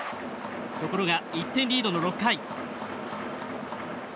ところが１点リードの６回。